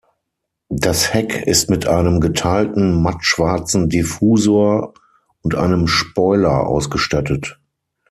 Das Heck ist mit einem geteilten mattschwarzen Diffusor und einem Spoiler ausgestattet.